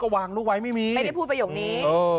วางลูกไว้ไม่มีไม่ได้พูดประโยคนี้